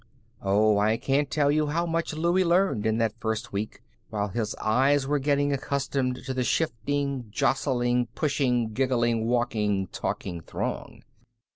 Oh, I can't tell you how much Louie learned in that first week while his eyes were getting accustomed to the shifting, jostling, pushing, giggling, walking, talking throng.